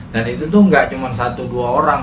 dan itu tuh gak cuma satu dua orang